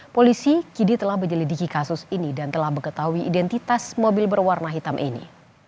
polisi kini telah menyelidiki kasus ini dan telah mengetahui identitas mobil berwarna hitam ini